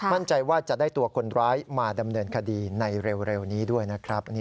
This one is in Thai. มั่นใจว่าจะได้ตัวคนร้ายมาดำเนินคดีในเร็วนี้ด้วยนะครับ